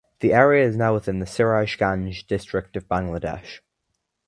The area is now within the Sirajganj District of Bangladesh.